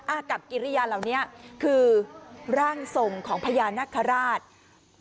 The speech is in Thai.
กับกิริยาเหล่านี้คือร่างทรงของพญานาคาราช